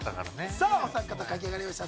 さあお三方書き上がりました。